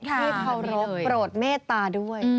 ที่เคารพโปรดเมตตาด้วย